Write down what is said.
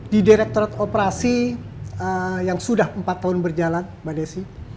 di direktorat operasi yang sudah empat tahun berjalan mbak desi